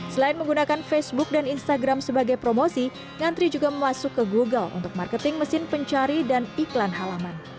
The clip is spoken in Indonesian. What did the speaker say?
selain menggunakan facebook dan instagram sebagai promosi ngantri juga masuk ke google untuk marketing mesin pencari dan iklan halaman